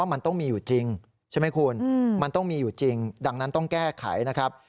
มันต้องมีอยู่จริงดังนั้นต้องแก้ไขนะครับ